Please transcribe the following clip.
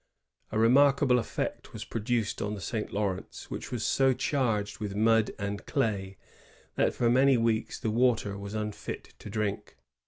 ^ A remarkable effect was produced on the St. Lawrence, which was so charged with mud and clay that for many weeks the water was unfit to drink.